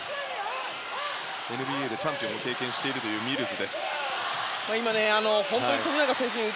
ＮＢＡでチャンピオンを経験しているというミルズ。